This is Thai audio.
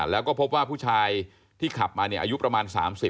แล้วก็พบว่าผู้ชายที่ขับมาอายุประมาณ๓๐